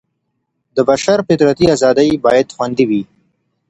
د بشر فطرتي ازادي بايد خوندي وي.